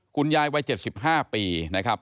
คุณยายวัย๗๕ปีนะครับ